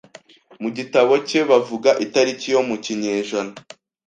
mu gitabo cye b avuga itariki yo mu kinyejana